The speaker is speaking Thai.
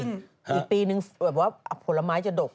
อีกปีนึงแบบว่าผลไม้จะดก